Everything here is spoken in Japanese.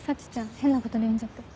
変なことで呼んじゃって。